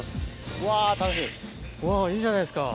うわ楽しみうわいいじゃないですか。